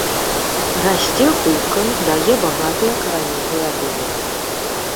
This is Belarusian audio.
Расце хутка, дае багатыя каранёвыя атожылкі.